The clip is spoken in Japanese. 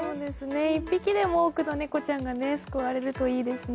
１匹でも多くの猫ちゃんが救われるといいですね。